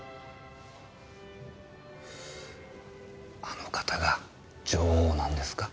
あの方が女王なんですか？